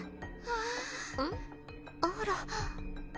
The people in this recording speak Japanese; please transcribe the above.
あら。